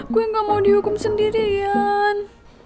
gue gak mau dihukum sendirian